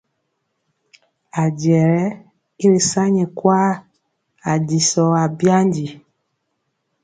Ajɛ yɛ i ri sa nyɛ kwaa, ajisɔ abyandi.